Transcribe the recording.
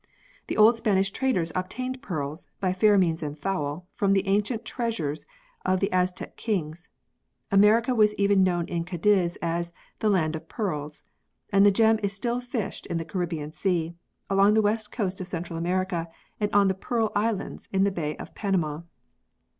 The old Spanish traders obtained pearls, by fair means and foul, from the ancient treasures of the Aztec kings. America was even known in Cadiz as the "Land of Pearls," and the gem is still fished in the Caribbean Sea, along the West Coast of Central America, and on the Pearl Islands in the Bay of Panama.